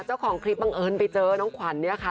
เจ้าของคลิปบังเอิญไปเจอน้องขวัญเนี่ยค่ะ